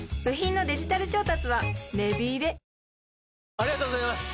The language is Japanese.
ありがとうございます！